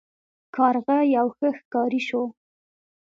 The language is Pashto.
کارغه یو ښه ښکاري شو.